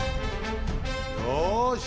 よし！